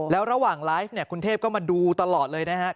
แล้วระหว่างไลฟ์เนี่ยคุณเทพก็มาดูตลอดเลยนะครับ